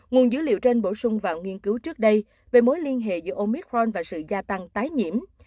nguồn dữ liệu trên bổ sung vào nghiên cứu trước đây về mối liên hệ giữa omicron và sự gia tăng tái nhiễm